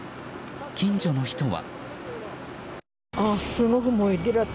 近所の人は。